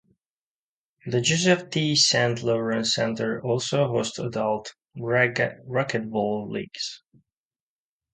The Joseph T. Saint Lawrence Center also hosts adult racquetball leagues.